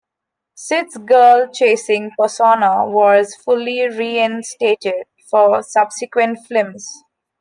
Sid's girl-chasing persona was fully reinstated for subsequent films.